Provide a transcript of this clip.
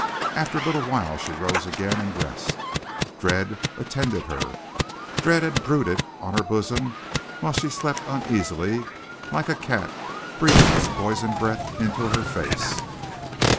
After a little while she rose again, and dressed. Dread attended her, dread had brooded on her bosom while she slept uneasily, like a cat breathing its poisoned breath into her face.